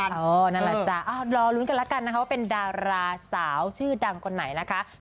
นั่นแหละจ๊ะรอลุ้นกันแล้วกันนะคะว่าเป็นดาราสาวชื่อดังคนไหนนะคะ